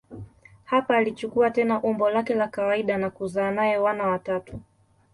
Hapa alichukua tena umbo lake la kawaida na kuzaa naye wana watatu.